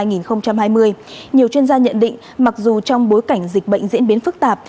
nhiều chuyên gia nhận định mặc dù trong bối cảnh dịch bệnh diễn biến phức tạp